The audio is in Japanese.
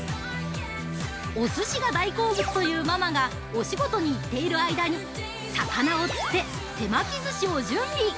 おすしが大好物というママがお仕事に行っている間に魚を釣って、手巻きずしを準備！